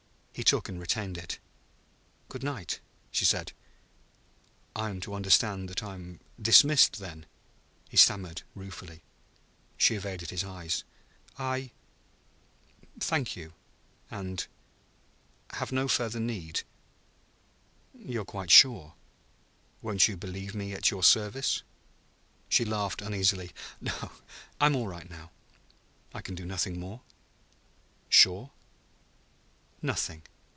He took and retained it. "Good night," she said. "I'm to understand that I'm dismissed, then?" he stammered ruefully. She evaded his eyes. "I thank you I have no further need " "You are quite sure? Won't you believe me at your service?" She laughed uneasily. "I'm all right now." "I can do nothing more? Sure?" "Nothing.